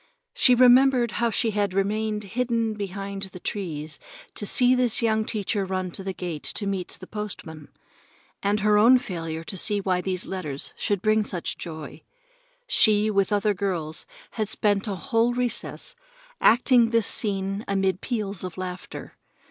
She remembered how she had hidden behind the trees to see this young teacher run to the gate to meet the postman, and her own failure to see why these letters should bring such joy. She, with other girls, had spent a whole recess acting this scene amid peals of laughter.